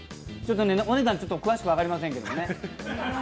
お値段、詳しくは分かりませんけれどもね。